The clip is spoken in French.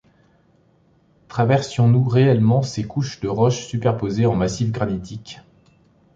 Traversions-nous réellement ces couches de roches superposées au massif granitique ?